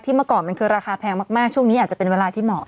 เมื่อก่อนมันคือราคาแพงมากช่วงนี้อาจจะเป็นเวลาที่เหมาะ